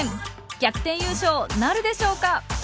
逆転優勝なるでしょうか？